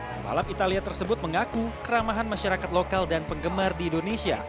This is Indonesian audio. pembalap italia tersebut mengaku keramahan masyarakat lokal dan penggemar di indonesia